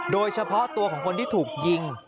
โดยเฉพาะตัวของคนที่ถูกยิง